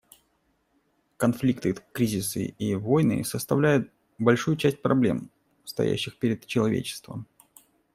Конфликты, кризисы и войны составляют большую часть проблем, стоящих перед человечеством.